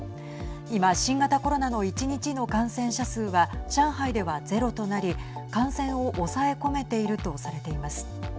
今、新型コロナの１日の感染者数は上海ではゼロとなり感染を抑え込めているとされています。